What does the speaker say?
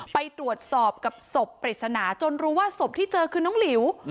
ไปตรวจสอบกับศพปริศนาจนรู้ว่าศพที่เจอคือน้องหลิว